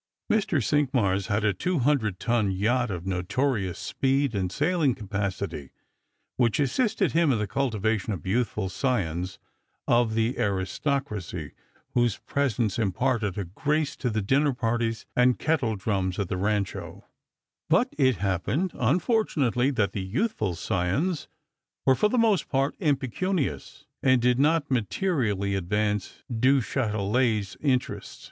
Mr. Cinqmars had a two hundred ton yacht of notorious speed and sailing capacity, which assisted him in the cultivation of youthful scions of the aristocracy, whose presence imparted a grace to the dinner parties and kettledrums at the Rancho; but it happened, unfortunately, that the youthful scious were for the most part impecunious, and did not materially advance Du Chatelet's interests.